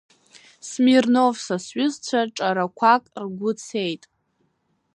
Смирнов са сҩызцәа ҿарақәак ргәы цеит…